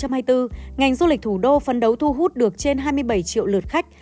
năm hai nghìn hai mươi bốn ngành du lịch thủ đô phấn đấu thu hút được trên hai mươi bảy triệu lượt khách